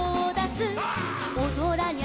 「おどらにゃ